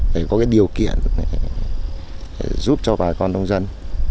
để có cái điều kiện giúp cho bà con nông dân